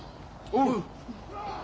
おう。